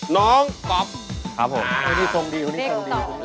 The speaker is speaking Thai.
น้องป๊อปครับผมดีตรงดีดีตรงดี